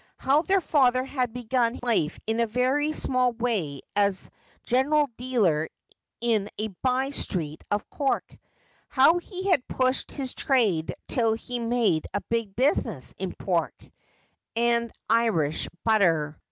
How their father had begun life in a very small way ps a general dealer in a by street of Cork ; how he had pushed his trade till he made a big business in pork and Irish butter.